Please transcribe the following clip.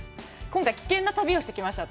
今回危険な旅をしてきました。